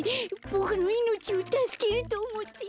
ボクのいのちをたすけるとおもって！